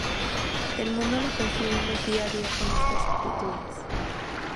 El mundo lo construimos día a día con nuestras actitudes